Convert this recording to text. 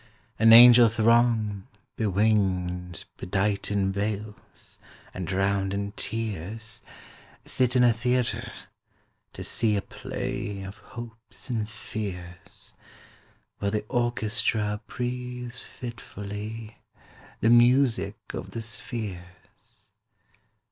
An angel throng, bewinged, bedight In veils, and drowned in tears, Sit in a theatre to see 5 A play of hopes and fears, While the orchestra breathes fitfully The music of the spheres.